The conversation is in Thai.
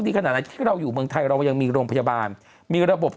ขนาดไหนที่เราอยู่เมืองไทยเรายังมีโรงพยาบาลมีระบบ